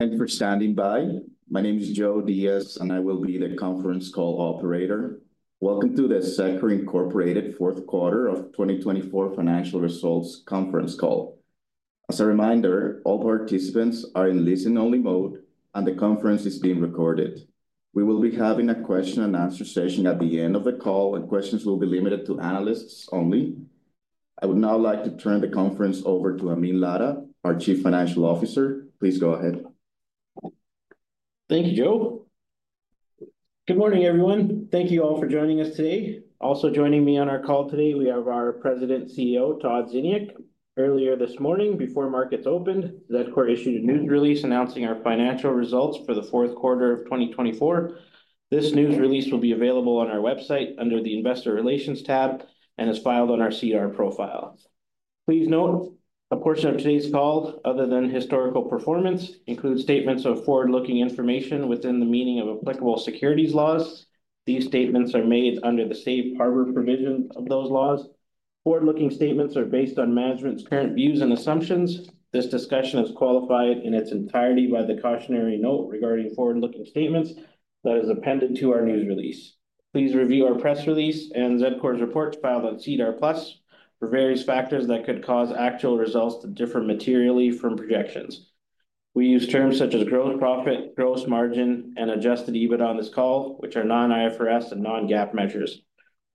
Thank you for standing by. My name is Joe Diaz, and I will be the conference call operator. Welcome to the Zedcor Incorporated fourth quarter of 2024 financial results conference call. As a reminder, all participants are in listen-only mode, and the conference is being recorded. We will be having a question and answer session at the end of the call, and questions will be limited to analysts only. I would now like to turn the conference over to Amin Ladha, our Chief Financial Officer. Please go ahead. Thank you, Joe. Good morning, everyone. Thank you all for joining us today. Also joining me on our call today, we have our President and CEO, Todd Ziniuk. Earlier this morning, before markets opened, Zedcor issued a news release announcing our financial results for the fourth quarter of 2024. This news release will be available on our website under the Investor Relations tab and is filed on our SEDAR+ profile. Please note, a portion of today's call, other than historical performance, includes statements of forward-looking information within the meaning of applicable securities laws. These statements are made under the safe harbor provision of those laws. Forward-looking statements are based on management's current views and assumptions. This discussion is qualified in its entirety by the cautionary note regarding forward-looking statements that is appended to our news release. Please review our press release and Zedcor's reports filed on SEDAR+ for various factors that could cause actual results to differ materially from projections. We use terms such as gross profit, gross margin, and Adjusted EBITDA on this call, which are non-IFRS and non-GAAP measures.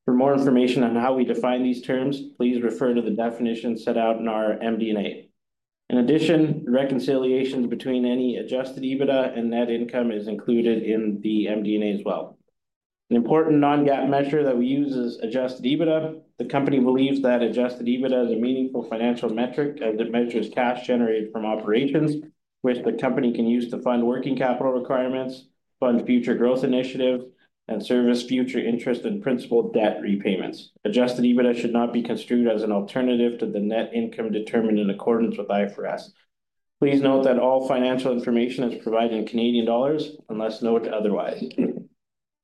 For more information on how we define these terms, please refer to the definition set out in our MD&A. In addition, reconciliations between any Adjusted EBITDA and net income are included in the MD&A as well. An important non-GAAP measure that we use is Adjusted EBITDA. The company believes that Adjusted EBITDA is a meaningful financial metric as it measures cash generated from operations, which the company can use to fund working capital requirements, fund future growth initiatives, and service future interest and principal debt repayments. Adjusted EBITDA should not be construed as an alternative to the net income determined in accordance with IFRS. Please note that all financial information is provided in Canadian dollars unless noted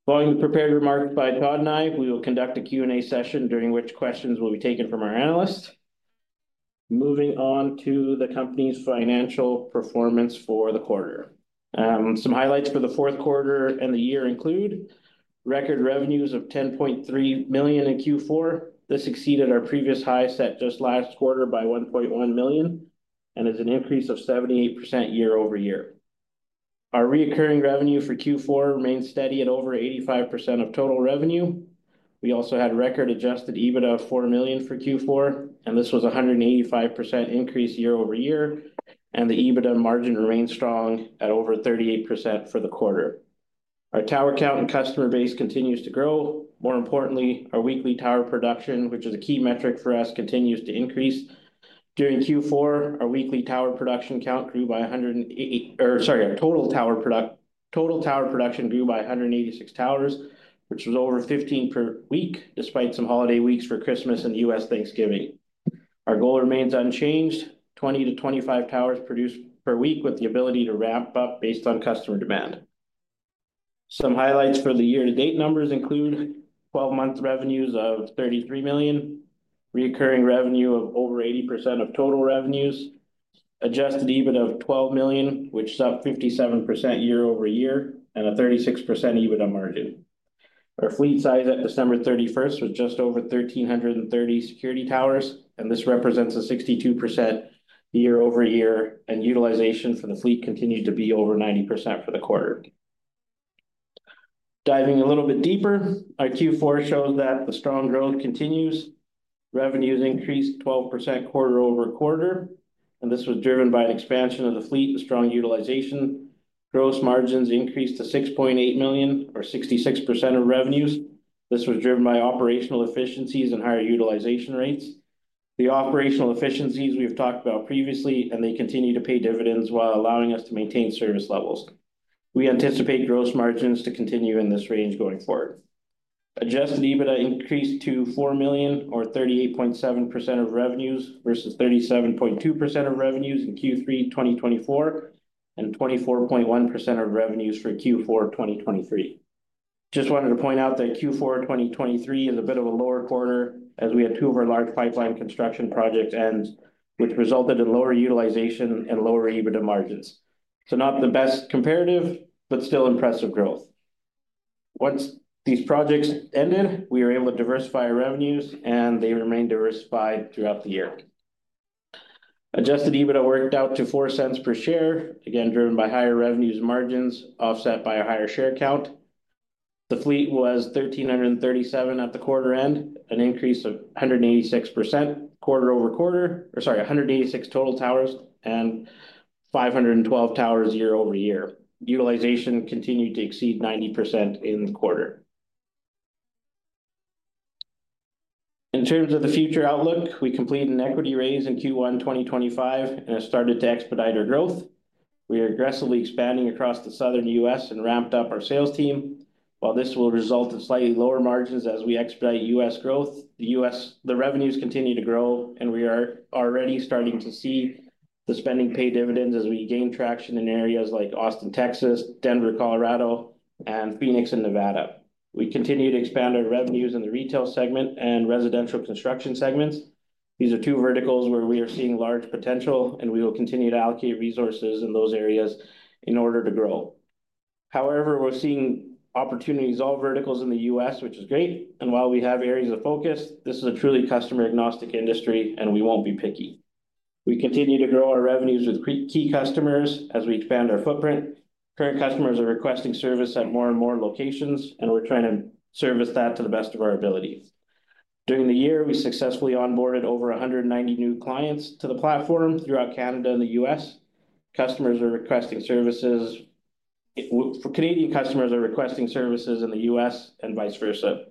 otherwise. Following the prepared remarks by Todd and I, we will conduct a Q&A session during which questions will be taken from our analysts. Moving on to the company's financial performance for the quarter. Some highlights for the fourth quarter and the year include record revenues of 10.3 million in Q4. This exceeded our previous high set just last quarter by 1.1 million and is an increase of 78% year-over-year. Our recurring revenue for Q4 remained steady at over 85% of total revenue. We also had record Adjusted EBITDA of 4 million for Q4, and this was a 185% increase year-over-year, and the EBITDA margin remained strong at over 38% for the quarter. Our tower count and customer base continues to grow. More importantly, our weekly tower production, which is a key metric for us, continues to increase. During Q4, our weekly tower production count grew by 108, or sorry, our total tower production grew by 186 towers, which was over 15 per week despite some holiday weeks for Christmas and U.S. Thanksgiving. Our goal remains unchanged: 20-25 towers produced per week with the ability to ramp up based on customer demand. Some highlights for the year-to-date numbers include 12-month revenues of 33 million, recurring revenue of over 80% of total revenues, Adjusted EBITDA of 12 million, which is up 57% year-over-year, and a 36% EBITDA margin. Our fleet size at December 31st was just over 1,330 security towers, and this represents a 62% year-over-year, and utilization for the fleet continued to be over 90% for the quarter. Diving a little bit deeper, our Q4 shows that the strong growth continues. Revenues increased 12% quarter-over-quarter, and this was driven by an expansion of the fleet and strong utilization. Gross margins increased to 6.8 million, or 66% of revenues. This was driven by operational efficiencies and higher utilization rates. The operational efficiencies we have talked about previously, and they continue to pay dividends while allowing us to maintain service levels. We anticipate gross margins to continue in this range going forward. Adjusted EBITDA increased to 4 million, or 38.7% of revenues versus 37.2% of revenues in Q3 2024, and 24.1% of revenues for Q4 2023. Just wanted to point out that Q4 2023 is a bit of a lower quarter as we had two of our large pipeline construction projects end, which resulted in lower utilization and lower EBITDA margins. Not the best comparative, but still impressive growth. Once these projects ended, we were able to diversify our revenues, and they remained diversified throughout the year. Adjusted EBITDA worked out to 0.04 per share, again driven by higher revenues and margins offset by a higher share count. The fleet was 1,337 at the quarter end, an increase of 186 total towers and 512 towers year-over-year. Utilization continued to exceed 90% in the quarter. In terms of the future outlook, we completed an equity raise in Q1 2025 and have started to expedite our growth. We are aggressively expanding across the southern U.S. and ramped up our sales team. While this will result in slightly lower margins as we expedite U.S. Growth, the revenues continue to grow, and we are already starting to see the spending pay dividends as we gain traction in areas like Austin, Texas, Denver, Colorado, and Phoenix, and Nevada. We continue to expand our revenues in the retail segment and residential construction segments. These are two verticals where we are seeing large potential, and we will continue to allocate resources in those areas in order to grow. However, we're seeing opportunities in all verticals in the U.S., which is great. While we have areas of focus, this is a truly customer-agnostic industry, and we won't be picky. We continue to grow our revenues with key customers as we expand our footprint. Current customers are requesting service at more and more locations, and we're trying to service that to the best of our ability. During the year, we successfully onboarded over 190 new clients to the platform throughout Canada and the U.S. Customers are requesting services; Canadian customers are requesting services in the U.S. and vice versa.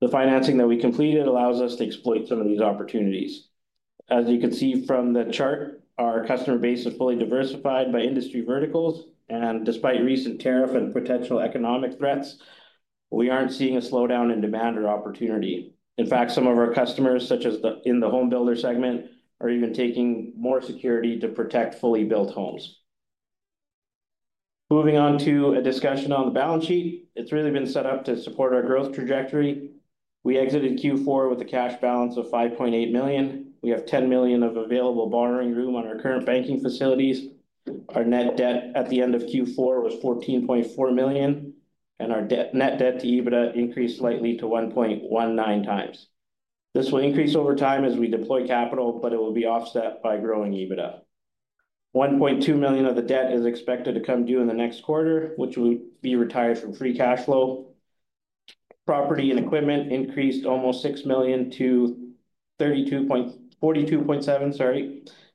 The financing that we completed allows us to exploit some of these opportunities. As you can see from the chart, our customer base is fully diversified by industry verticals, and despite recent tariff and potential economic threats, we aren't seeing a slowdown in demand or opportunity. In fact, some of our customers, such as in the home builder segment, are even taking more security to protect fully built homes. Moving on to a discussion on the balance sheet, it's really been set up to support our growth trajectory. We exited Q4 with a cash balance of 5.8 million. We have 10 million of available borrowing room on our current banking facilities. Our net debt at the end of Q4 was 14.4 million, and our net debt-to-EBITDA increased slightly to 1.19 times. This will increase over time as we deploy capital, but it will be offset by growing EBITDA. 1.2 million of the debt is expected to come due in the next quarter, which will be retired from free cash flow. Property and equipment increased almost 6 million to 42.7 million,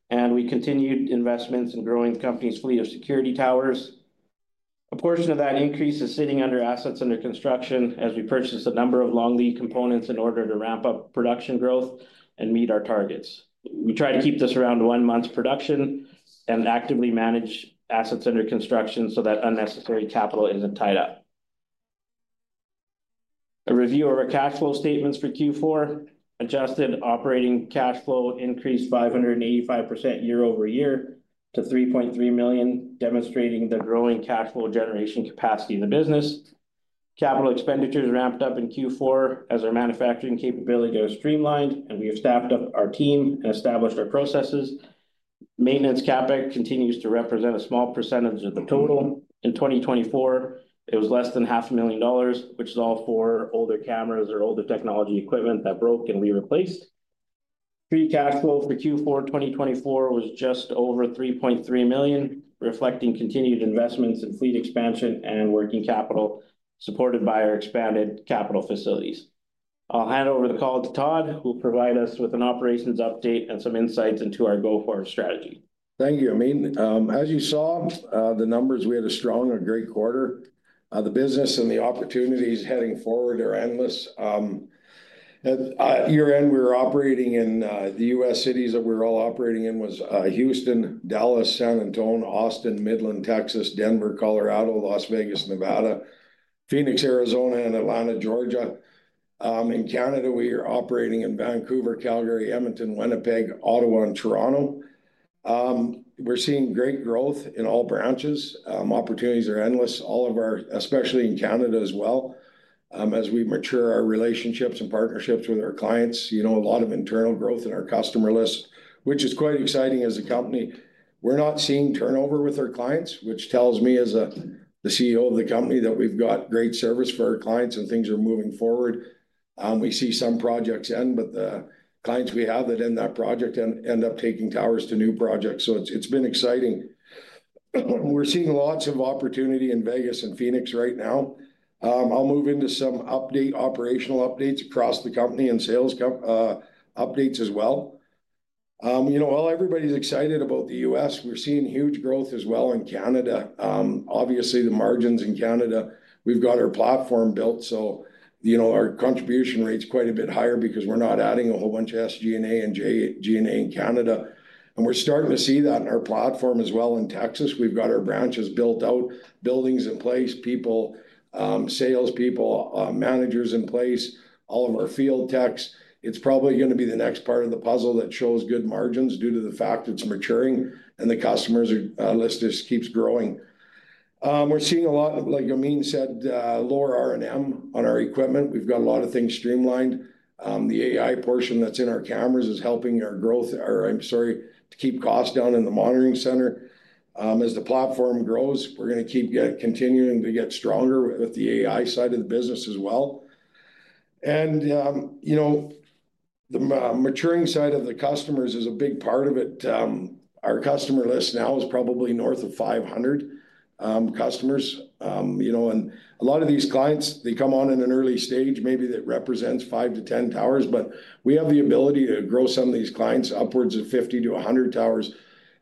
and we continued investments in growing the company's fleet of security towers. A portion of that increase is sitting under assets under construction as we purchased a number of long lead components in order to ramp up production growth and meet our targets. We try to keep this around one month's production and actively manage assets under construction so that unnecessary capital isn't tied up. A review of our cash flow statements for Q4, adjusted operating cash flow increased 585% year-over-year to 3.3 million, demonstrating the growing cash flow generation capacity of the business. Capital expenditures ramped up in Q4 as our manufacturing capability was streamlined, and we have staffed up our team and established our processes. Maintenance CapEx continues to represent a small percentage of the total. In 2024, it was less than 500,000 dollars, which is all for older cameras or older technology equipment that broke and we replaced. Free cash flow for Q4 2024 was just over 3.3 million, reflecting continued investments in fleet expansion and working capital supported by our expanded capital facilities. I'll hand over the call to Todd, who will provide us with an operations update and some insights into our go-forward strategy. Thank you, Amin. As you saw, the numbers, we had a strong and great quarter. The business and the opportunities heading forward are endless. At year-end, we were operating in the U.S. cities that we were all operating in were Houston, Dallas, San Antonio, Austin, Midland, Texas, Denver, Colorado, Las Vegas, Nevada, Phoenix, Arizona, and Atlanta, Georgia. In Canada, we are operating in Vancouver, Calgary, Edmonton, Winnipeg, Ottawa, and Toronto. We're seeing great growth in all branches. Opportunities are endless, all of our, especially in Canada as well, as we mature our relationships and partnerships with our clients. You know, a lot of internal growth in our customer list, which is quite exciting as a company. We're not seeing turnover with our clients, which tells me as the CEO of the company that we've got great service for our clients and things are moving forward. We see some projects end, but the clients we have that end that project end up taking towers to new projects. It's been exciting. We're seeing lots of opportunity in Las Vegas and Phoenix right now. I'll move into some operational updates across the company and sales updates as well. You know, while everybody's excited about the U.S., we're seeing huge growth as well in Canada. Obviously, the margins in Canada, we've got our platform built. You know, our contribution rate's quite a bit higher because we're not adding a whole bunch of SG&A and G&A in Canada. We're starting to see that in our platform as well. In Texas, we've got our branches built out, buildings in place, people, salespeople, managers in place, all of our field techs. It's probably going to be the next part of the puzzle that shows good margins due to the fact it's maturing and the customers list just keeps growing. We're seeing a lot, like Amin said, lower R&M on our equipment. We've got a lot of things streamlined. The AI portion that's in our cameras is helping our growth, or I'm sorry, to keep costs down in the monitoring center. As the platform grows, we're going to keep continuing to get stronger with the AI side of the business as well. You know, the maturing side of the customers is a big part of it. Our customer list now is probably north of 500 customers. You know, and a lot of these clients, they come on in an early stage. Maybe that represents five to 10 towers, but we have the ability to grow some of these clients upwards of 50-100 towers,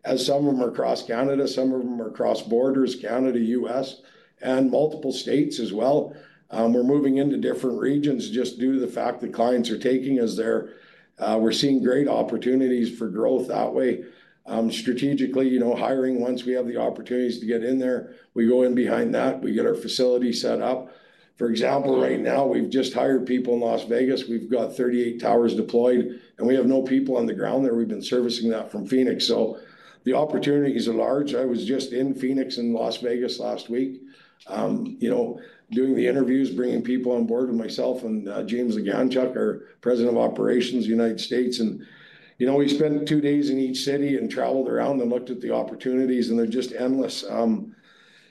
as some of them are across Canada, some of them are across borders, Canada, U.S., and multiple states as well. We're moving into different regions just due to the fact that clients are taking us there. We're seeing great opportunities for growth that way. Strategically, you know, hiring once we have the opportunities to get in there, we go in behind that. We get our facility set up. For example, right now, we've just hired people in Las Vegas. We've got 38 towers deployed, and we have no people on the ground there. We've been servicing that from Phoenix. The opportunities are large. I was just in Phoenix and Las Vegas last week, you know, doing the interviews, bringing people on board with myself and James Leganchuk, our President of Operations, United States. You know, we spent two days in each city and traveled around and looked at the opportunities, and they're just endless.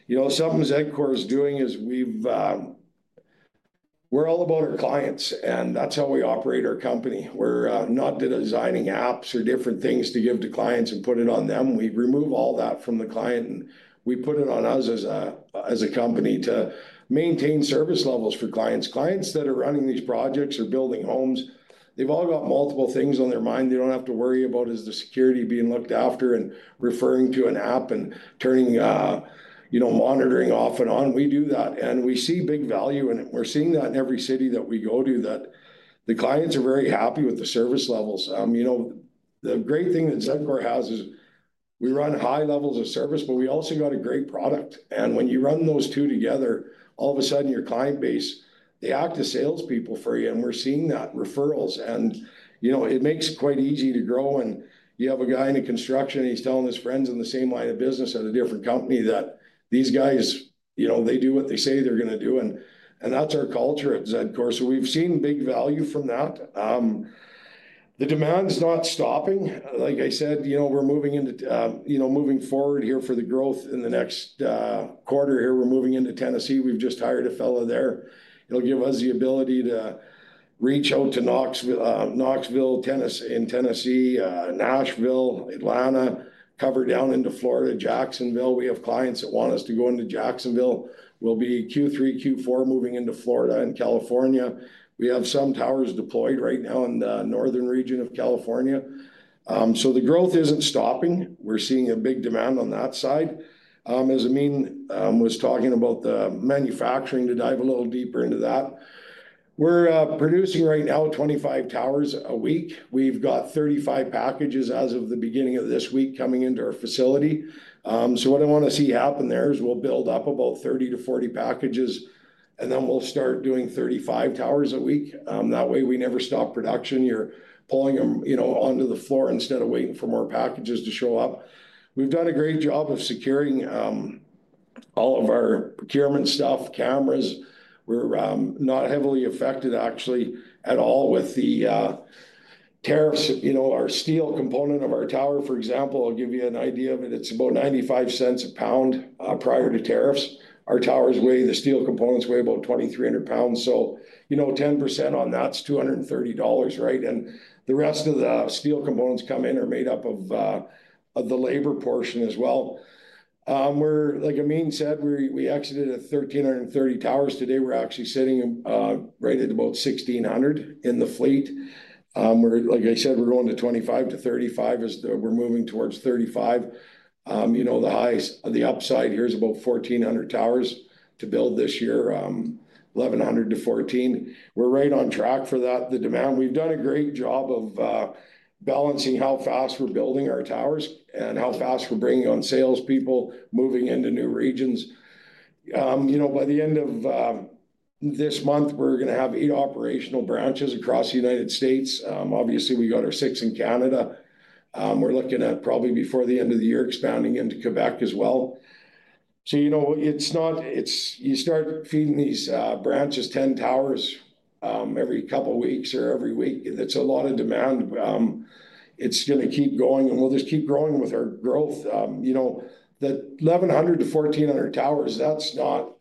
You know, something Zedcor is doing is we're all about our clients, and that's how we operate our company. We're not designing apps or different things to give to clients and put it on them. We remove all that from the client, and we put it on us as a company to maintain service levels for clients. Clients that are running these projects or building homes, they've all got multiple things on their mind. They don't have to worry about the security being looked after and referring to an app and turning, you know, monitoring off and on. We do that, and we see big value, and we're seeing that in every city that we go to, that the clients are very happy with the service levels. You know, the great thing that Zedcor has is we run high levels of service, but we also got a great product. When you run those two together, all of a sudden, your client base, they act as salespeople for you, and we're seeing that referrals. You know, it makes it quite easy to grow. You have a guy in construction, and he's telling his friends in the same line of business at a different company that these guys, you know, they do what they say they're going to do. That's our culture at Zedcor. We've seen big value from that. The demand's not stopping. Like I said, you know, we're moving into, you know, moving forward here for the growth in the next quarter here. We're moving into Tennessee. We've just hired a fellow there. It'll give us the ability to reach out to Knoxville, Tennessee, Nashville, Atlanta, cover down into Florida, Jacksonville. We have clients that want us to go into Jacksonville. We'll be Q3, Q4 moving into Florida and California. We have some towers deployed right now in the northern region of California. The growth isn't stopping. We're seeing a big demand on that side. As Amin was talking about the manufacturing, to dive a little deeper into that, we're producing right now 25 towers a week. We've got 35 packages as of the beginning of this week coming into our facility. What I want to see happen there is we'll build up about 30-40 packages, and then we'll start doing 35 towers a week. That way, we never stop production. You're pulling them, you know, onto the floor instead of waiting for more packages to show up. We've done a great job of securing all of our procurement stuff, cameras. We're not heavily affected, actually, at all with the tariffs. You know, our steel component of our tower, for example, I'll give you an idea of it. It's about 0.95 a pound prior to tariffs. Our towers weigh, the steel components weigh about 2,300 pounds. You know, 10% on that's 230 dollars, right? The rest of the steel components come in are made up of the labor portion as well. We're, like Amin said, we exited at 1,330 towers. Today, we're actually sitting right at about 1,600 in the fleet. We're, like I said, we're going to 25-35 as we're moving towards 35. You know, the highs, the upside here is about 1,400 towers to build this year, 1,100-1,400. We're right on track for that. The demand, we've done a great job of balancing how fast we're building our towers and how fast we're bringing on salespeople, moving into new regions. You know, by the end of this month, we're going to have eight operational branches across the United States. Obviously, we got our six in Canada. We're looking at probably before the end of the year expanding into Quebec as well. You know, it's not, it's, you start feeding these branches, 10 towers every couple of weeks or every week. That's a lot of demand. It's going to keep going, and we'll just keep growing with our growth. You know, the 1,100-1,400 towers, that's not,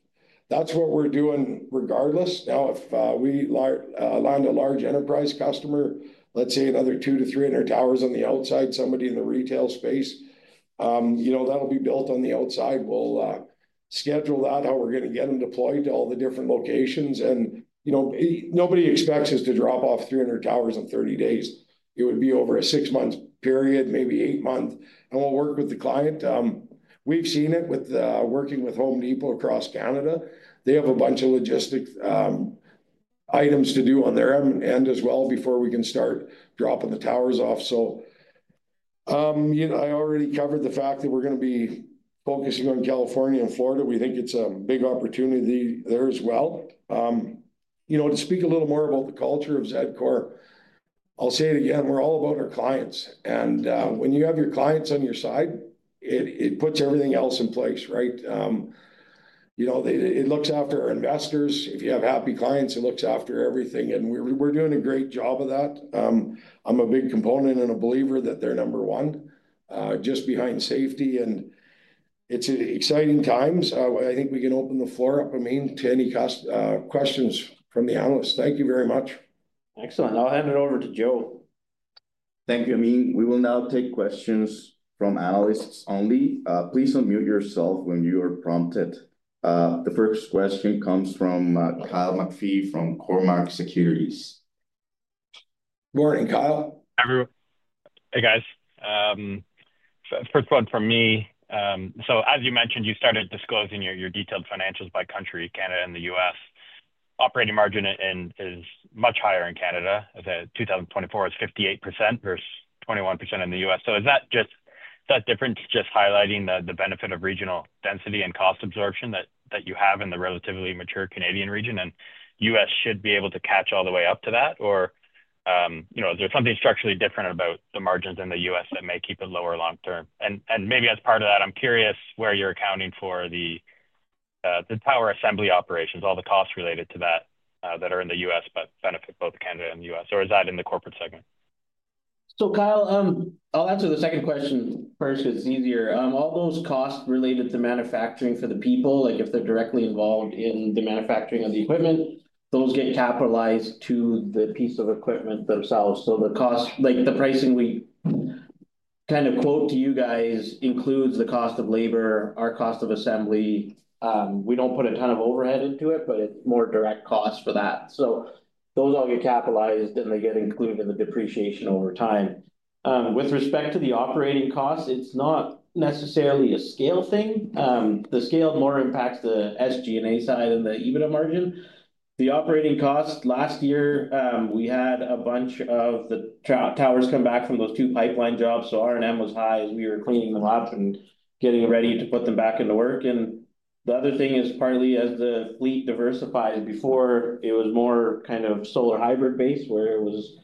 that's what we're doing regardless. Now, if we land a large enterprise customer, let's say another 200-300 towers on the outside, somebody in the retail space, you know, that'll be built on the outside. We'll schedule that, how we're going to get them deployed to all the different locations. You know, nobody expects us to drop off 300 towers in 30 days. It would be over a six-month period, maybe eight months, and we'll work with the client. We've seen it with working with Home Depot across Canada. They have a bunch of logistics items to do on their end as well before we can start dropping the towers off. You know, I already covered the fact that we're going to be focusing on California and Florida. We think it's a big opportunity there as well. You know, to speak a little more about the culture of Zedcor, I'll say it again. We're all about our clients. When you have your clients on your side, it puts everything else in place, right? You know, it looks after our investors. If you have happy clients, it looks after everything. We're doing a great job of that. I'm a big component and a believer that they're number one, just behind safety. It's exciting times. I think we can open the floor up, Amin, to any questions from the analysts. Thank you very much. Excellent. I'll hand it over to Joe. Thank you, Amin. We will now take questions from analysts only. Please unmute yourself when you are prompted. The first question comes from Kyle McPhee from Cormark Securities. Good morning, Kyle. Hey, guys. First one from me. As you mentioned, you started disclosing your detailed financials by country, Canada and the U.S. Operating margin is much higher in Canada as of 2024. It's 58% versus 21% in the U.S. Is that difference just highlighting the benefit of regional density and cost absorption that you have in the relatively mature Canadian region? The U.S. should be able to catch all the way up to that? You know, is there something structurally different about the margins in the U.S. that may keep it lower long-term? Maybe as part of that, I'm curious where you're accounting for the power assembly operations, all the costs related to that that are in the U.S. but benefit both Canada and the U.S.? Is that in the corporate segment? Kyle, I'll answer the second question first because it's easier. All those costs related to manufacturing for the people, like if they're directly involved in the manufacturing of the equipment, those get capitalized to the piece of equipment themselves. The cost, like the pricing we kind of quote to you guys, includes the cost of labor, our cost of assembly. We don't put a ton of overhead into it, but it's more direct costs for that. Those all get capitalized, and they get included in the depreciation over time. With respect to the operating costs, it's not necessarily a scale thing. The scale more impacts the SG&A side and the EBITDA margin. The operating costs last year, we had a bunch of the towers come back from those two pipeline jobs. R&M was high as we were cleaning them up and getting ready to put them back into work. The other thing is partly as the fleet diversifies. Before, it was more kind of solar hybrid-based where it was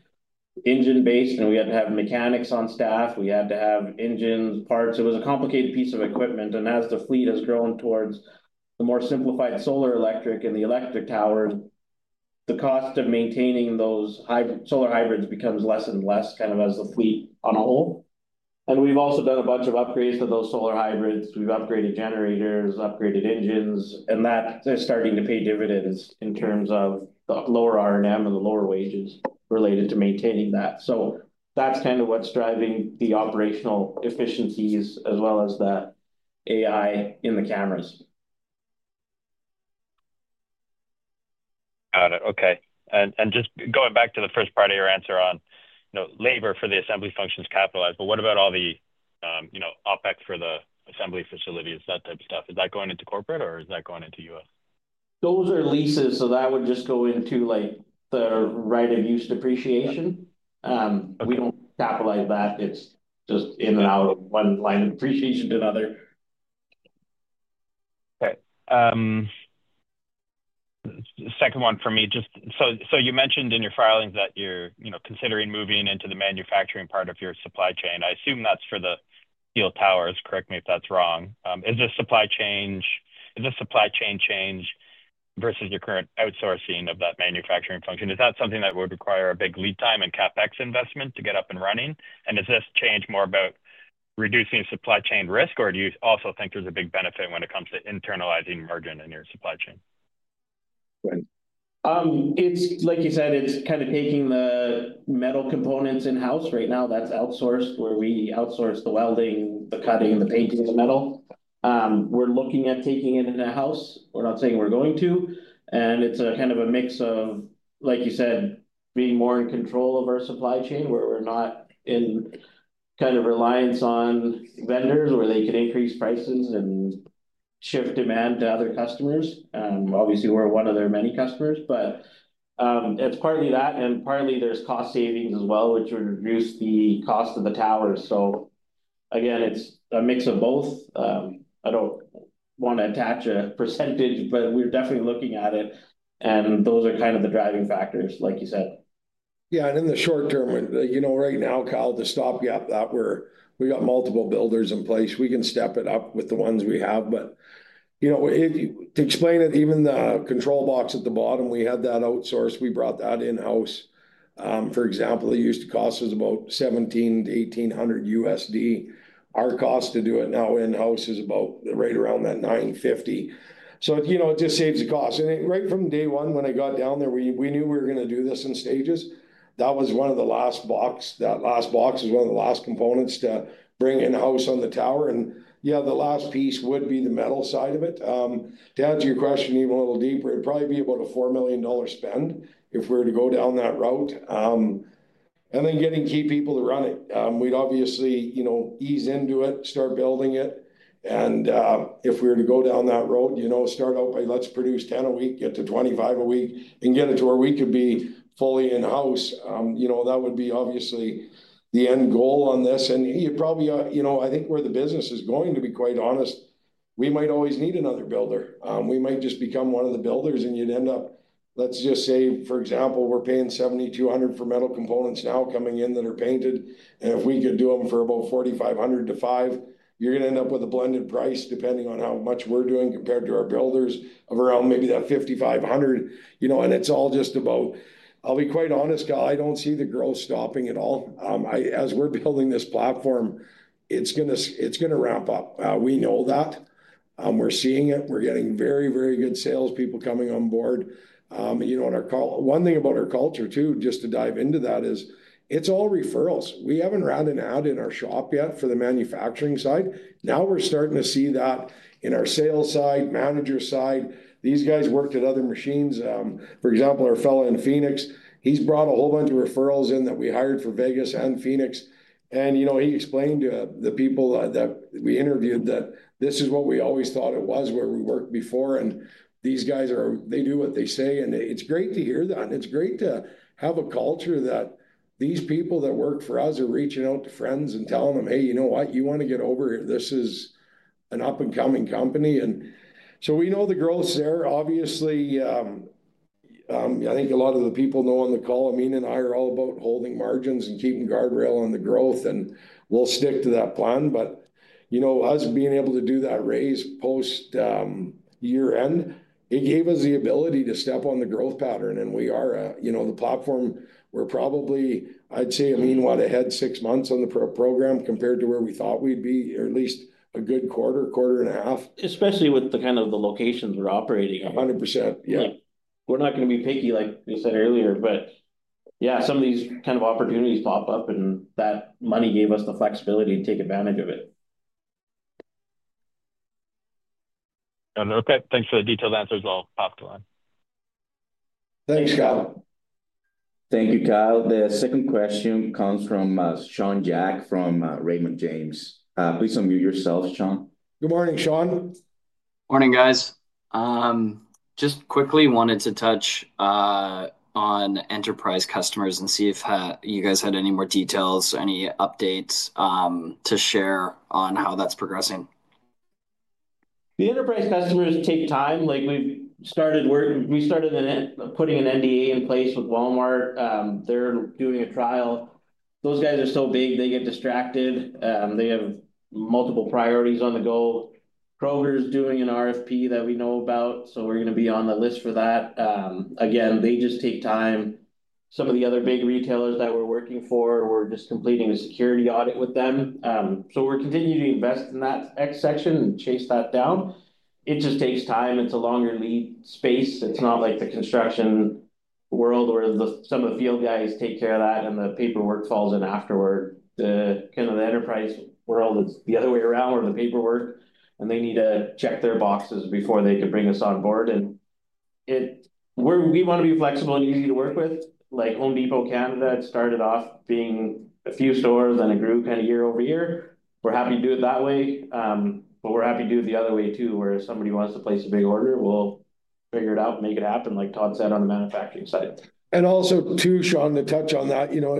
engine-based, and we had to have mechanics on staff. We had to have engines, parts. It was a complicated piece of equipment. As the fleet has grown towards the more simplified solar electric and the electric towers, the cost of maintaining those solar hybrids becomes less and less kind of as the fleet on a whole. We have also done a bunch of upgrades to those solar hybrids. We have upgraded generators, upgraded engines, and they are starting to pay dividends in terms of the lower R&M and the lower wages related to maintaining that. That's kind of what's driving the operational efficiencies as well as the AI in the cameras. Got it. Okay. Just going back to the first part of your answer on, you know, labor for the assembly functions capitalized, but what about all the, you know, OpEx for the assembly facilities, that type of stuff? Is that going into corporate or is that going into U.S.? Those are leases, so that would just go into like the right of use depreciation. We do not capitalize that. It is just in and out of one line of depreciation to another. Okay. Second one for me, just, so you mentioned in your filings that you're, you know, considering moving into the manufacturing part of your supply chain. I assume that's for the steel towers. Correct me if that's wrong. Is this supply chain change versus your current outsourcing of that manufacturing function? Is that something that would require a big lead time and CapEx investment to get up and running? Is this change more about reducing supply chain risk, or do you also think there's a big benefit when it comes to internalizing margin in your supply chain? It's, like you said, it's kind of taking the metal components in-house right now. That's outsourced where we outsource the welding, the cutting, the painting, the metal. We're looking at taking it in-house. We're not saying we're going to. It's a kind of a mix of, like you said, being more in control of our supply chain where we're not in kind of reliance on vendors where they can increase prices and shift demand to other customers. Obviously, we're one of their many customers, but it's partly that, and partly there's cost savings as well, which would reduce the cost of the towers. Again, it's a mix of both. I don't want to attach a percentage, but we're definitely looking at it, and those are kind of the driving factors, like you said. Yeah. In the short term, you know, right now, Kyle, to stop gap that, we got multiple builders in place. We can step it up with the ones we have. You know, to explain it, even the control box at the bottom, we had that outsourced. We brought that in-house. For example, the used cost was about $1,700-$1,800. Our cost to do it now in-house is about right around $950. You know, it just saves the cost. Right from day one, when I got down there, we knew we were going to do this in stages. That was one of the last box. That last box is one of the last components to bring in-house on the tower. Yeah, the last piece would be the metal side of it. To answer your question even a little deeper, it'd probably be about 4 million dollar spend if we were to go down that route. Then getting key people to run it. We'd obviously, you know, ease into it, start building it. If we were to go down that road, you know, start out by, let's produce 10 a week, get to 25 a week, and get it to where we could be fully in-house. You know, that would be obviously the end goal on this. You probably, you know, I think where the business is going, to be quite honest, we might always need another builder. We might just become one of the builders, and you'd end up, let's just say, for example, we're paying 7,200 for metal components now coming in that are painted. If we could do them for about 4,500-5,000, you're going to end up with a blended price depending on how much we're doing compared to our builders of around maybe that 5,500. You know, it's all just about, I'll be quite honest, Kyle, I don't see the growth stopping at all. As we're building this platform, it's going to ramp up. We know that. We're seeing it. We're getting very, very good salespeople coming on board. You know, one thing about our culture too, just to dive into that, is it's all referrals. We haven't rounded out in our shop yet for the manufacturing side. Now we're starting to see that in our sales side, manager side. These guys worked at other machines. For example, our fellow in Phoenix, he's brought a whole bunch of referrals in that we hired for Las Vegas and Phoenix. He explained to the people that we interviewed that this is what we always thought it was where we worked before. These guys do what they say. It is great to hear that. It is great to have a culture that these people that work for us are reaching out to friends and telling them, "Hey, you know what? You want to get over here? This is an up-and-coming company." We know the growth is there. Obviously, I think a lot of the people know on the call, Amin and I are all about holding margins and keeping guardrail on the growth, and we will stick to that plan. Us being able to do that raise post-year end gave us the ability to step on the growth pattern. We are, you know, the platform, we're probably, I'd say, Amin, what, ahead six months on the program compared to where we thought we'd be, or at least a good quarter, quarter and a half. Especially with the kind of the locations we're operating in. 100%. Yeah. We're not going to be picky, like you said earlier, but yeah, some of these kind of opportunities pop up, and that money gave us the flexibility to take advantage of it. Okay. Thanks for the detailed answers. I'll pass the line. Thanks, Kyle. Thank you, Kyle. The second question comes from Sean Jack from Raymond James. Please unmute yourself, Sean. Good morning, Sean. Morning, guys. Just quickly wanted to touch on enterprise customers and see if you guys had any more details, any updates to share on how that's progressing. The enterprise customers take time. Like we've started working, we started putting an NDA in place with Walmart. They're doing a trial. Those guys are so big, they get distracted. They have multiple priorities on the go. Kroger's doing an RFP that we know about, so we're going to be on the list for that. Again, they just take time. Some of the other big retailers that we're working for, we're just completing a security audit with them. We are continuing to invest in that section and chase that down. It just takes time. It's a longer lead space. It's not like the construction world where some of the field guys take care of that and the paperwork falls in afterward. The kind of the enterprise world, it's the other way around where the paperwork, and they need to check their boxes before they could bring us on board. We want to be flexible and easy to work with. Like Home Depot Canada, it started off being a few stores and it grew kind of year-over-year. We're happy to do it that way, but we're happy to do it the other way too where if somebody wants to place a big order, we'll figure it out and make it happen, like Todd said on the manufacturing side. Also, Sean, to touch on that, you know,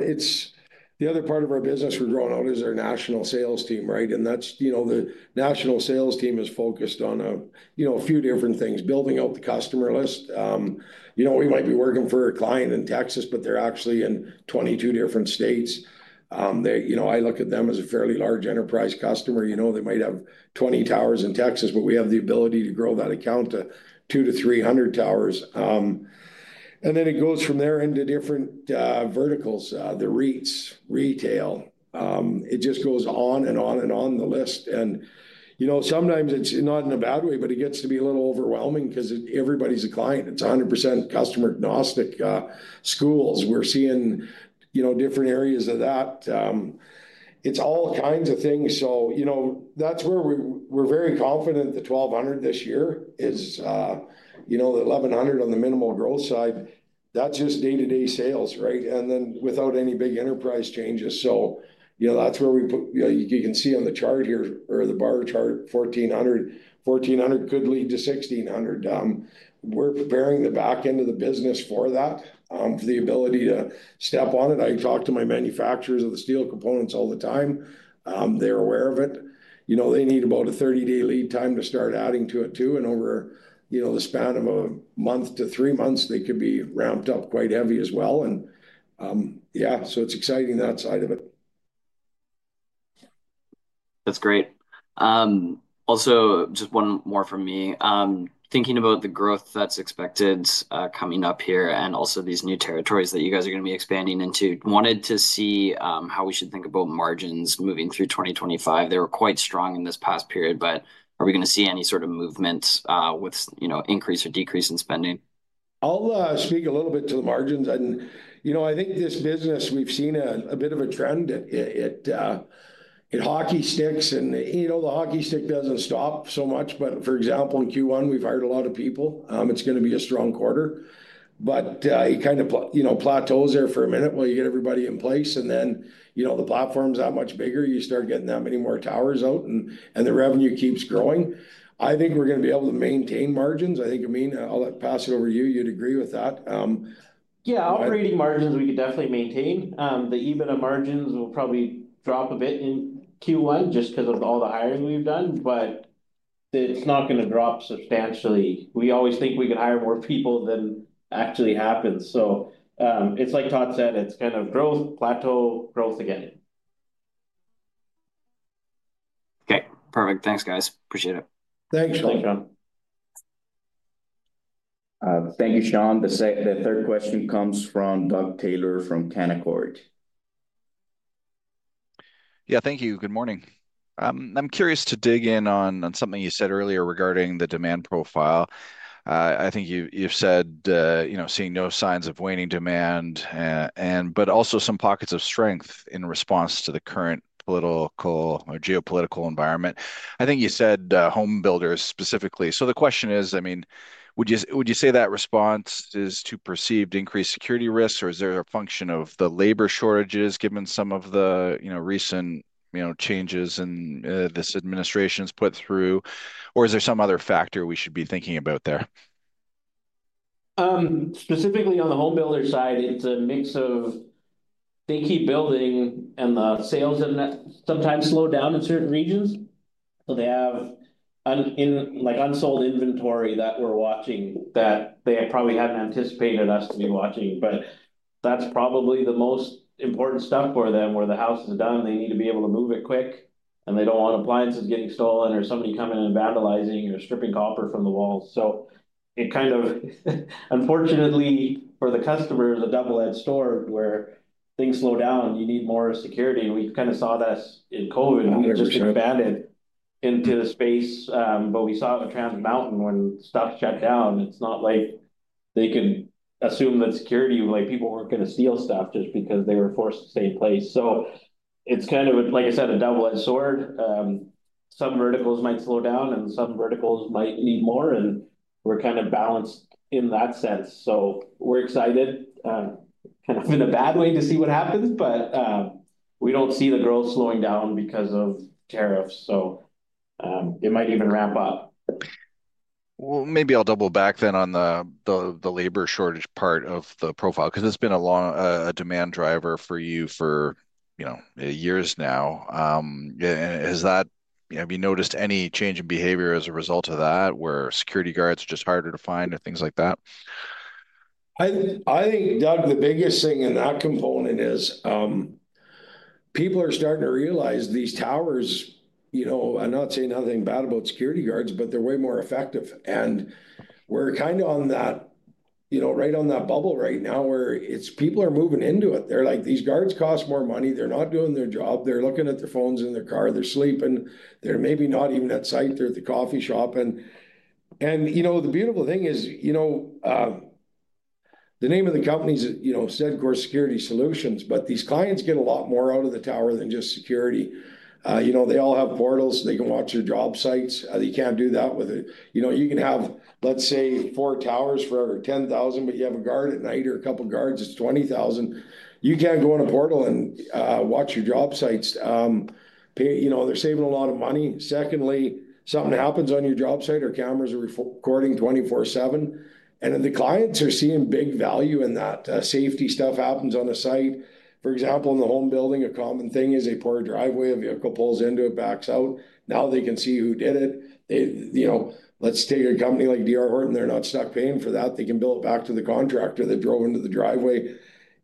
the other part of our business we're growing out is our national sales team, right? You know, the national sales team is focused on a few different things, building out the customer list. You know, we might be working for a client in Texas, but they're actually in 22 different states. You know, I look at them as a fairly large enterprise customer. You know, they might have 20 towers in Texas, but we have the ability to grow that account to 200-300 towers. It goes from there into different verticals, the REITs, retail. It just goes on and on and on the list. You know, sometimes it's not in a bad way, but it gets to be a little overwhelming because everybody's a client. It's 100% customer agnostic schools. We're seeing, you know, different areas of that. It's all kinds of things. You know, that's where we're very confident the 1,200 this year is, you know, the 1,100 on the minimal growth side. That's just day-to-day sales, right? Without any big enterprise changes. You know, that's where we put, you can see on the chart here or the bar chart, 1,400, 1,400 could lead to 1,600. We're preparing the back end of the business for that, for the ability to step on it. I talk to my manufacturers of the steel components all the time. They're aware of it. You know, they need about a 30-day lead time to start adding to it too. Over, you know, the span of a month to three months, they could be ramped up quite heavy as well. Yeah, it's exciting that side of it. That's great. Also, just one more from me. Thinking about the growth that's expected coming up here and also these new territories that you guys are going to be expanding into, wanted to see how we should think about margins moving through 2025. They were quite strong in this past period, but are we going to see any sort of movement with, you know, increase or decrease in spending? I'll speak a little bit to the margins. You know, I think this business, we've seen a bit of a trend in hockey sticks. You know, the hockey stick doesn't stop so much, but for example, in Q1, we've hired a lot of people. It's going to be a strong quarter, but it kind of, you know, plateaus there for a minute while you get everybody in place. You know, the platform's that much bigger, you start getting that many more towers out and the revenue keeps growing. I think we're going to be able to maintain margins. I think, Amin, I'll pass it over to you. You'd agree with that. Yeah. Operating margins we could definitely maintain. The EBITDA margins will probably drop a bit in Q1 just because of all the hiring we've done, but it's not going to drop substantially. We always think we can hire more people than actually happens. It's like Todd said, it's kind of growth, plateau, growth again. Okay. Perfect. Thanks, guys. Appreciate it. Thanks, Sean. Thank you, Sean. The third question comes from Doug Taylor from Canaccord. Yeah. Thank you. Good morning. I'm curious to dig in on something you said earlier regarding the demand profile. I think you've said, you know, seeing no signs of waning demand, but also some pockets of strength in response to the current political or geopolitical environment. I think you said home builders specifically. The question is, I mean, would you say that response is to perceived increased security risks, or is there a function of the labor shortages given some of the, you know, recent, you know, changes in this administration's put through, or is there some other factor we should be thinking about there? Specifically on the home builder side, it's a mix of they keep building and the sales sometimes slow down in certain regions. They have unsold inventory that we're watching that they probably hadn't anticipated us to be watching. That's probably the most important stuff for them where the house is done. They need to be able to move it quick, and they don't want appliances getting stolen or somebody coming and vandalizing or stripping copper from the walls. It kind of, unfortunately for the customers, is a double-edged sword where things slow down, you need more security. We kind of saw this in COVID. We just expanded into the space, but we saw a Trans Mountain when stuff shut down. It's not like they could assume that security, like people weren't going to steal stuff just because they were forced to stay in place. It is kind of, like I said, a double-edged sword. Some verticals might slow down and some verticals might need more. We are kind of balanced in that sense. We are excited, kind of in a bad way to see what happens, but we do not see the growth slowing down because of tariffs. It might even ramp up. Maybe I'll double back then on the labor shortage part of the profile because it's been a long demand driver for you for years now. Have you noticed any change in behavior as a result of that where security guards are just harder to find or things like that? I think, Doug, the biggest thing in that component is people are starting to realize these towers, you know, I'm not saying nothing bad about security guards, but they're way more effective. We're kind of on that, you know, right on that bubble right now where it's people are moving into it. They're like, these guards cost more money. They're not doing their job. They're looking at their phones in their car. They're sleeping. They're maybe not even at site. They're at the coffee shop. You know, the beautiful thing is, you know, the name of the company is, you know, Zedcor Security Solutions, but these clients get a lot more out of the tower than just security. You know, they all have portals. They can watch their job sites. You can't do that with, you know, you can have, let's say, four towers for 10,000, but you have a guard at night or a couple of guards, it's 20,000. You can't go on a portal and watch your job sites. You know, they're saving a lot of money. Secondly, something happens on your job site or cameras are recording 24/7. And then the clients are seeing big value in that safety stuff happens on the site. For example, in the home building, a common thing is a poor driveway. A vehicle pulls into it, backs out. Now they can see who did it. You know, let's take a company like D.R. Horton. They're not stuck paying for that. They can bill it back to the contractor that drove into the driveway.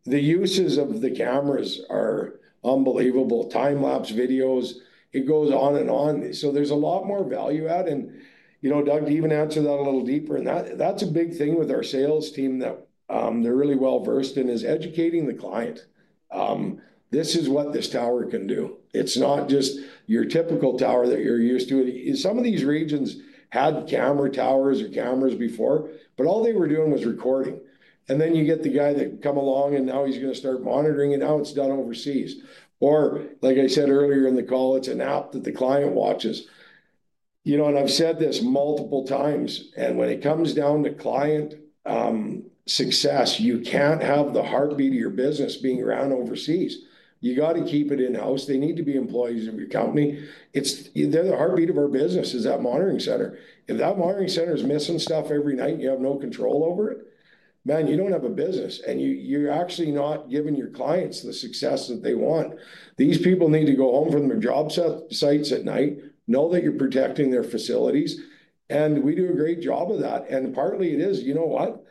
The uses of the cameras are unbelievable. Time-lapse videos. It goes on and on. There's a lot more value added. You know, Doug, to even answer that a little deeper, and that's a big thing with our sales team that they're really well versed in is educating the client. This is what this tower can do. It's not just your typical tower that you're used to. Some of these regions had camera towers or cameras before, but all they were doing was recording. Then you get the guy that comes along and now he's going to start monitoring and now it's done overseas. Or like I said earlier in the call, it's an app that the client watches. You know, and I've said this multiple times. When it comes down to client success, you can't have the heartbeat of your business being around overseas. You got to keep it in-house. They need to be employees of your company. It's the heartbeat of our business is that monitoring center. If that monitoring center is missing stuff every night and you have no control over it, man, you don't have a business and you're actually not giving your clients the success that they want. These people need to go home from their job sites at night, know that you're protecting their facilities. We do a great job of that. Partly it is, you know what?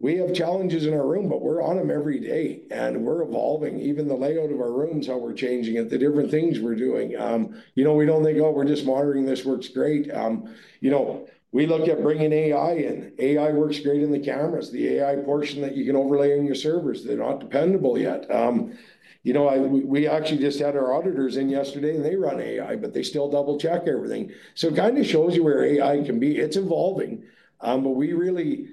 We have challenges in our room, but we're on them every day and we're evolving. Even the layout of our rooms, how we're changing it, the different things we're doing. You know, we don't think, oh, we're just monitoring. This works great. You know, we look at bringing AI in. AI works great in the cameras, the AI portion that you can overlay on your servers. They're not dependable yet. You know, we actually just had our auditors in yesterday and they run AI, but they still double-check everything. It kind of shows you where AI can be. It's evolving. We really,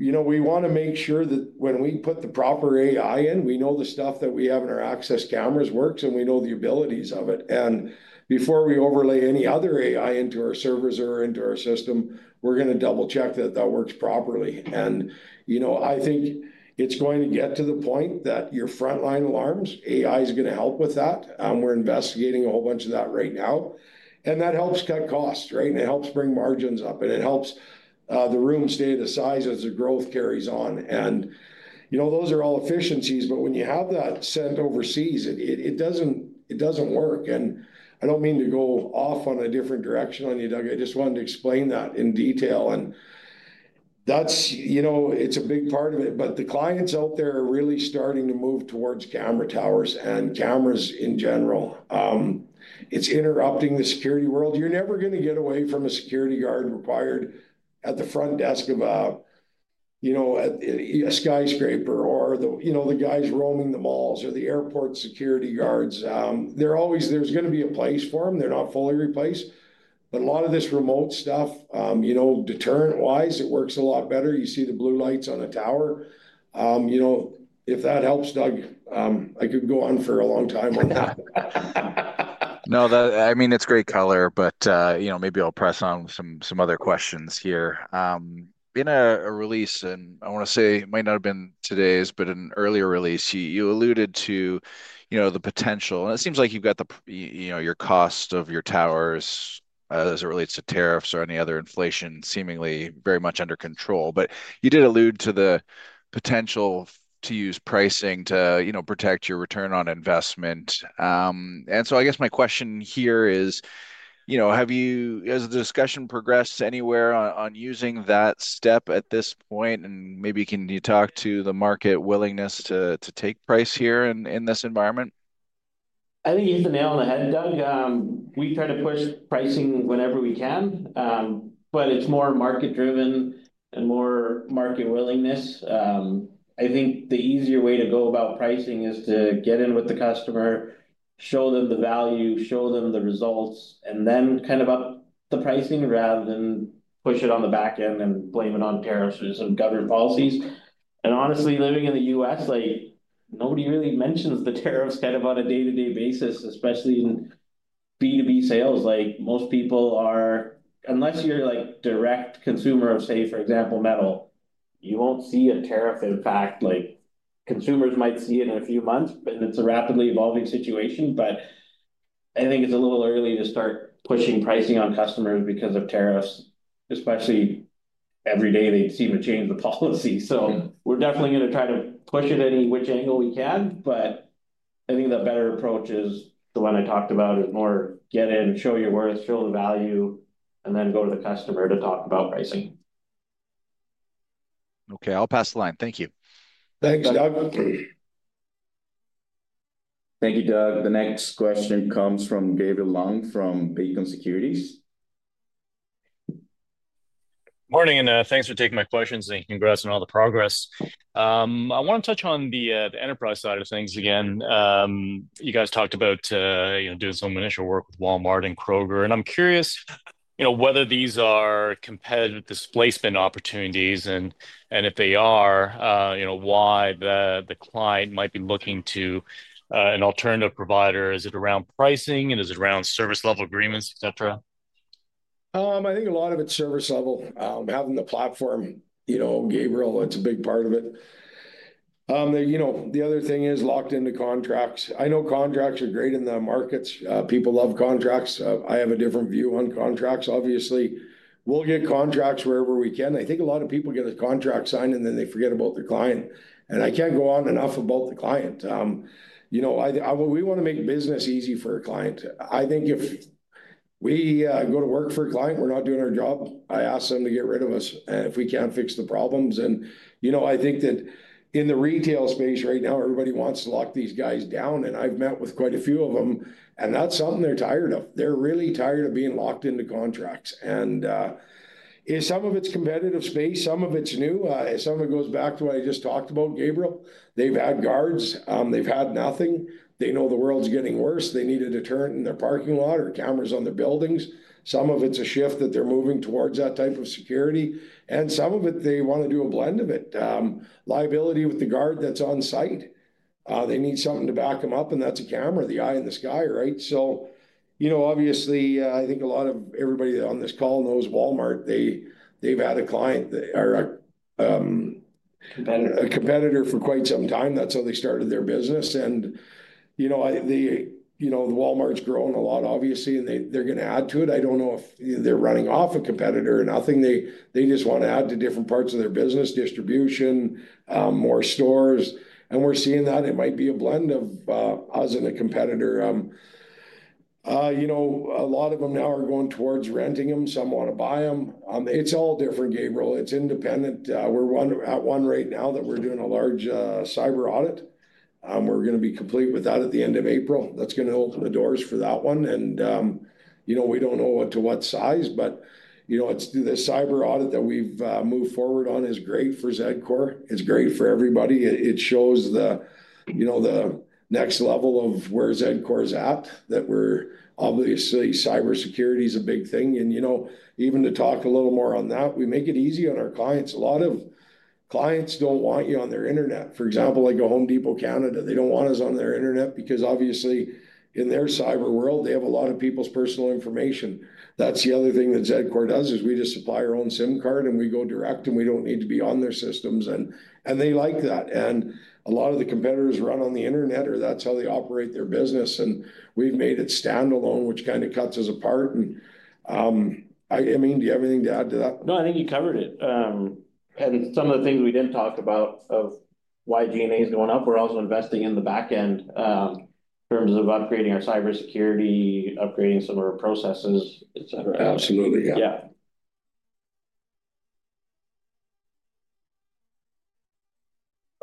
you know, we want to make sure that when we put the proper AI in, we know the stuff that we have in our Axis cameras works and we know the abilities of it. Before we overlay any other AI into our servers or into our system, we're going to double-check that that works properly. You know, I think it's going to get to the point that your frontline alarms, AI is going to help with that. We're investigating a whole bunch of that right now. That helps cut costs, right? It helps bring margins up and it helps the room stay the size as the growth carries on. You know, those are all efficiencies, but when you have that sent overseas, it doesn't work. I don't mean to go off on a different direction on you, Doug. I just wanted to explain that in detail. That's, you know, it's a big part of it, but the clients out there are really starting to move towards camera towers and cameras in general. It's interrupting the security world. You're never going to get away from a security guard required at the front desk of a, you know, a skyscraper or the, you know, the guys roaming the malls or the airport security guards. There's going to be a place for them. They're not fully replaced. A lot of this remote stuff, you know, deterrent-wise, it works a lot better. You see the blue lights on a tower. You know, if that helps, Doug, I could go on for a long time on that. No, I mean, it's great color, but, you know, maybe I'll press on some other questions here. In a release, and I want to say it might not have been today's, but in an earlier release, you alluded to, you know, the potential. And it seems like you've got the, you know, your cost of your towers as it relates to tariffs or any other inflation seemingly very much under control. You did allude to the potential to use pricing to, you know, protect your return on investment. I guess my question here is, you know, have you, as the discussion progressed, anywhere on using that step at this point? Maybe can you talk to the market willingness to take price here in this environment? I think you hit the nail on the head, Doug. We try to push pricing whenever we can, but it's more market-driven and more market willingness. I think the easier way to go about pricing is to get in with the customer, show them the value, show them the results, and then kind of up the pricing rather than push it on the back end and blame it on tariffs and government policies. Honestly, living in the U.S., like nobody really mentions the tariffs kind of on a day-to-day basis, especially in B2B sales. Like most people are, unless you're like direct consumer of, say, for example, metal, you won't see a tariff impact. Consumers might see it in a few months, but it's a rapidly evolving situation. I think it's a little early to start pushing pricing on customers because of tariffs, especially every day they seem to change the policy. We are definitely going to try to push it any which angle we can, but I think the better approach is the one I talked about, is more get in, show your worth, show the value, and then go to the customer to talk about pricing. Okay. I'll pass the line. Thank you. Thanks, Doug. Thank you, Doug. The next question comes from Gabriel Leung from Beacon Securities. Morning and thanks for taking my questions and congrats on all the progress. I want to touch on the enterprise side of things again. You guys talked about doing some initial work with Walmart and Kroger. I'm curious, you know, whether these are competitive displacement opportunities and if they are, you know, why the client might be looking to an alternative provider. Is it around pricing and is it around service level agreements, et cetera? I think a lot of it's service level. Having the platform, you know, Gabriel, it's a big part of it. You know, the other thing is locked into contracts. I know contracts are great in the markets. People love contracts. I have a different view on contracts, obviously. We'll get contracts wherever we can. I think a lot of people get a contract signed and then they forget about their client. I can't go on enough about the client. You know, we want to make business easy for our client. I think if we go to work for a client, we're not doing our job, I ask them to get rid of us if we can't fix the problems. You know, I think that in the retail space right now, everybody wants to lock these guys down. I've met with quite a few of them. That is something they're tired of. They're really tired of being locked into contracts. Some of it is competitive space. Some of it is new. Some of it goes back to what I just talked about, Gabriel. They've had guards. They've had nothing. They know the world's getting worse. They need a deterrent in their parking lot or cameras on their buildings. Some of it is a shift that they're moving towards that type of security. Some of it, they want to do a blend of it. Liability with the guard that's on site. They need something to back them up. That is a camera, the eye in the sky, right? You know, obviously, I think a lot of everybody on this call knows Walmart. They've had a client or a competitor for quite some time. That is how they started their business. You know, Walmart's grown a lot, obviously, and they're going to add to it. I don't know if they're running off a competitor or nothing. They just want to add to different parts of their business, distribution, more stores. We're seeing that. It might be a blend of us and a competitor. You know, a lot of them now are going towards renting them. Some want to buy them. It's all different, Gabriel. It's independent. We're at one right now that we're doing a large cyber audit. We're going to be complete with that at the end of April. That's going to open the doors for that one. You know, we don't know to what size, but, you know, it's through this cyber audit that we've moved forward on. It's great for Zedcor. It's great for everybody. It shows the, you know, the next level of where Zedcor is at that we're obviously cybersecurity is a big thing. You know, even to talk a little more on that, we make it easy on our clients. A lot of clients don't want you on their internet. For example, like a Home Depot Canada, they don't want us on their internet because obviously in their cyber world, they have a lot of people's personal information. That's the other thing that Zedcor does is we just supply our own SIM card and we go direct and we don't need to be on their systems. They like that. A lot of the competitors run on the internet or that's how they operate their business. We've made it standalone, which kind of cuts us apart. I mean, do you have anything to add to that? No, I think you covered it. Some of the things we did not talk about of why G&A is going up, we are also investing in the back end in terms of upgrading our cybersecurity, upgrading some of our processes, et cetera. Absolutely. Yeah. Yeah.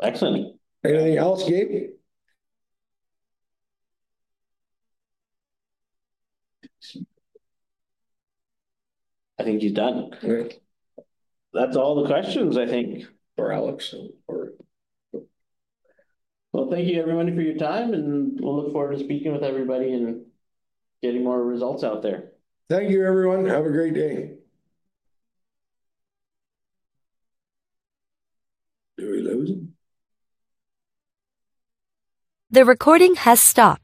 Excellent. Anything else, Gabe? I think he's done. Great. That's all the questions, I think. For Alex. Thank you, everyone, for your time. We look forward to speaking with everybody and getting more results out there. Thank you, everyone. Have a great day. Are we losing? The recording has stopped.